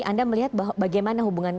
anda melihat bagaimana hubungan